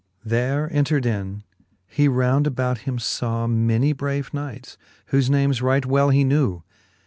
XXII. There entred in, he round about him faw Many brave knights, whofe names right well he knew.